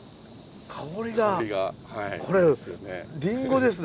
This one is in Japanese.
香りがこれりんごですね。